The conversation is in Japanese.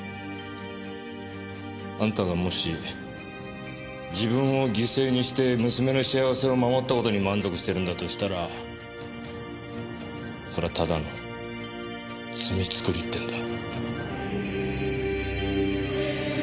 あんたがもし自分を犠牲にして娘の幸せを守った事に満足してるんだとしたらそれはただの罪作りってんだ。